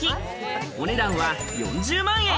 お値段は４０万円。